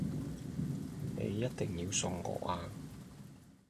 你一定要送我啊